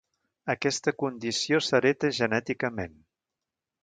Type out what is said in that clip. Aquesta condició s'hereta genèticament.